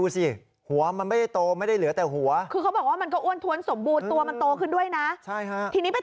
แต่เมื่อกี้อย่างที่บอกไป